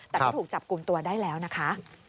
แต่ก็ถูกจับกลุ่มตัวได้แล้วนะคะ